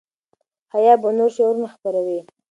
حیا به نور شعرونه خپروي.